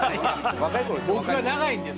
若い頃です